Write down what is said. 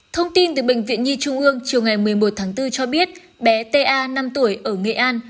thông tin từ bệnh viện nhi trung ương chiều ngày một mươi một tháng bốn cho biết bé ta năm tuổi ở nghệ an